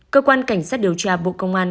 cơ quan cảnh sát điều tra bộ công an